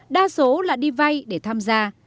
đa số là đi vay để tham gia